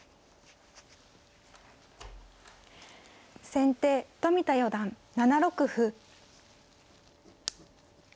先手冨田四段７六歩。